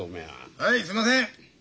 はいすいません。